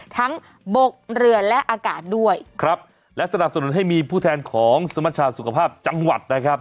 ทั้งบกเรือและอากาศด้วยครับและสนับสนุนให้มีผู้แทนของสมชาสุขภาพจังหวัดนะครับ